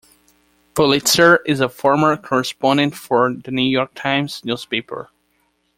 Pulitzer is a former correspondent for "The New York Times" newspaper.